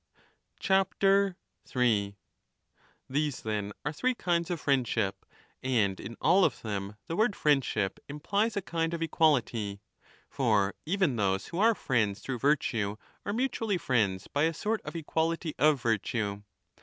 15 These then are three kinds of friendship ; and in all 3 of them the word friendship implies a kind of equality. For even those who are friends through virtue are mutually friends by a sort of equality of virtue.